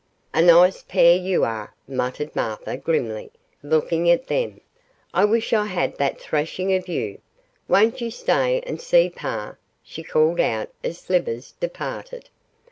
'A nice pair you are,' muttered Martha, grimly, looking at them. 'I wish I had the thrashing of you. Won't you stay and see par?' she called out as Slivers departed.